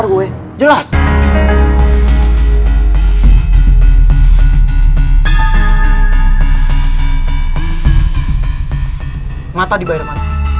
temen aja sih warniane juga